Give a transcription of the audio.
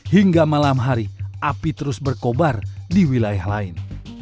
hingga malam hari api terus berkobar di wilayah lain